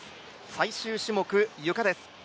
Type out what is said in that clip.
最終種目、ゆかです。